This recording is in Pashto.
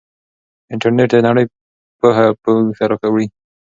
انټرنیټ د نړۍ پوهه موږ ته راوړي.